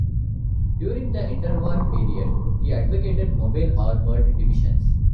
During the interwar period, he advocated mobile armoured divisions.